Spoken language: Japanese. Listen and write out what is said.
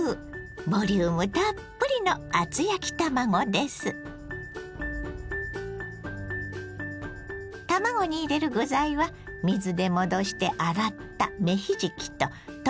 ボリュームたっぷりの卵に入れる具材は水で戻して洗った芽ひじきと鶏ひき肉。